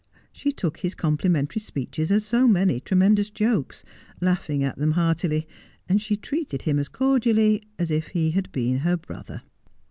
She took his complimentary speeches as so many tre mendous jokes, laughing at them heartily, and she treated him as cordially as if he had been her brother.